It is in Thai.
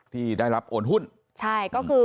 ที่ได้รับโอนหุ้น